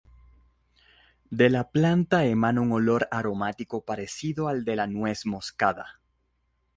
De la planta emana un olor aromático parecido al de la nuez moscada.